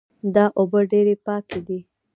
دا اوبه ډېرې پاکې دي